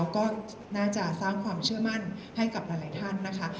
ก็น่าจะสร้างความเชื่อมั่นให้กับหลายท่านนะคะ